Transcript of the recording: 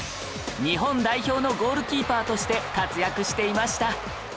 日本代表のゴールキーパーとして活躍していました